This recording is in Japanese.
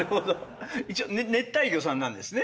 一応熱帯魚さんなんですね？